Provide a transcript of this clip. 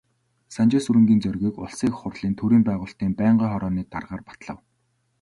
Санжаасүрэнгийн Зоригийг Улсын Их Хурлын төрийн байгуулалтын байнгын хорооны даргаар батлав.